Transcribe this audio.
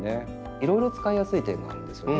いろいろ使いやすい点があるんですよね。